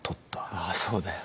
ああそうだよ。